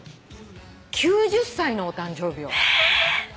９０歳のお誕生日を。